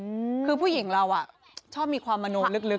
คือผู้หญิงเราชอบมีความมนุมลึก